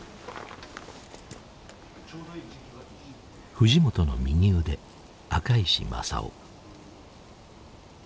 藤本の右腕赤石正男。